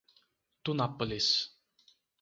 Tunápolis